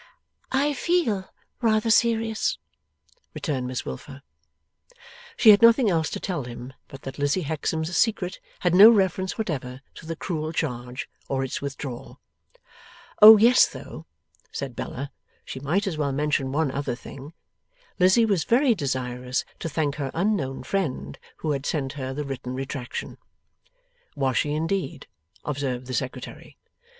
'I feel rather serious,' returned Miss Wilfer. She had nothing else to tell him but that Lizzie Hexam's secret had no reference whatever to the cruel charge, or its withdrawal. Oh yes though! said Bella; she might as well mention one other thing; Lizzie was very desirous to thank her unknown friend who had sent her the written retractation. Was she, indeed? observed the Secretary.